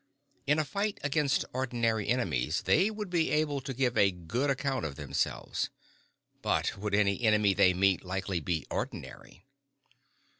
In a fight against ordinary enemies they would be able to give a good account of themselves. But would any enemy they met likely be ordinary?